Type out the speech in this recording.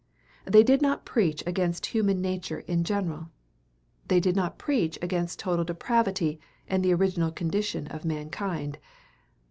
They did not preach against human nature in general. They did not preach against total depravity and the original condition of mankind.